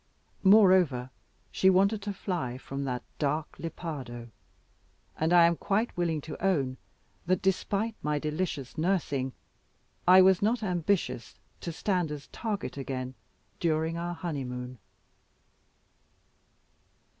Moreover, she wanted to fly from that dark Lepardo; and I am quite willing to own that, despite my delicious nursing, I was not ambitious to stand as target again during our honeymoon.